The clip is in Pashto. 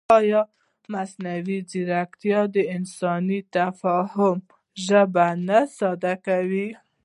ایا مصنوعي ځیرکتیا د انساني تفاهم ژبه نه ساده کوي؟